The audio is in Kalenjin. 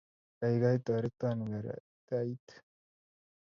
Gaigai, toreton karatait